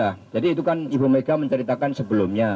ya jadi itu kan ibu mega menceritakan sebelumnya